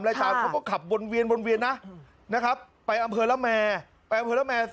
เขาก็ขับบนเวียนนะครับไปอำเภอละแมไปอำเภอละแม